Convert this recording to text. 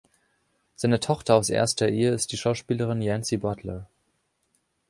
Seine Tocher aus erster Ehe ist die Schauspielerin Yancy Butler.